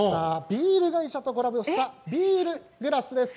ビール会社とコラボしたビールグラスです。